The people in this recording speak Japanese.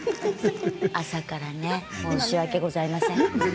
朝からね、申し訳ございません。